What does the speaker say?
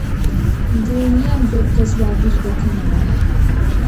دڵنیام زۆر کەس وا بیر دەکەنەوە.